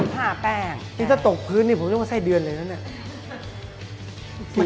ผ่าแป้งนี่ถ้าตกพื้นนี่ผมเรียกว่าไส้เดือนเลยนะเนี่ย